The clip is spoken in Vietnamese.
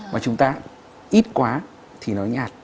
mà chúng ta ít quá thì nó nhạt